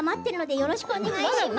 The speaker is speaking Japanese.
よろしくお願いします。